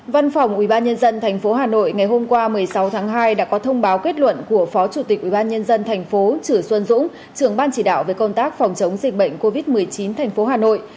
văn phòng ubnd tp hà nội ngày hôm qua một mươi sáu tháng hai đã có thông báo kết luận của phó chủ tịch ubnd tp chử xuân dũng trưởng ban chỉ đạo về công tác phòng chống dịch bệnh covid một mươi chín tp hà nội